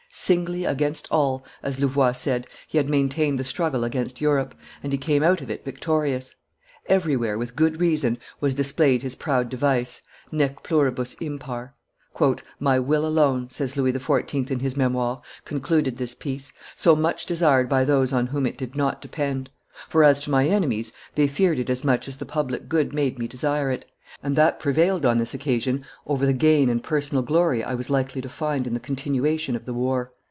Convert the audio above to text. "Singly against all," as Louvois said, he had maintained the struggle against Europe, and he came out of it victorious; everywhere, with good reason, was displayed his proud device, Nec pluribus impar. "My will alone," says Louis XIV. in his Memoires, "concluded this peace, so much desired by those on whom it did not depend; for, as to my enemies, they feared it as much as the public good made me desire it, and that prevailed on this occasion over the gain and personal glory I was likely to find in the continuation of the war.